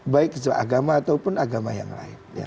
baik agama ataupun agama yang lain